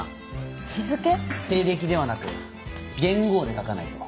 西暦ではなく元号で書かないと。